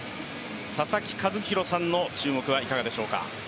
佐々木主浩さんの注目はいかがでしょうか？